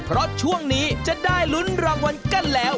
เพราะช่วงนี้จะได้ลุ้นรางวัลกันแล้ว